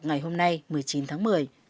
ngày hôm nay một mươi chín tháng một mươi